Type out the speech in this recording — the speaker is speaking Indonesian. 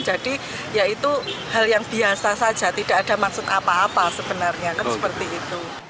jadi ya itu hal yang biasa saja tidak ada maksud apa apa sebenarnya kan seperti itu